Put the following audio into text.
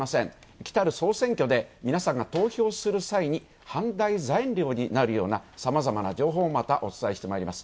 来たる総選挙で皆さんが投票する際に、判断材料になるようなさまざまな情報をお伝えしてまいります。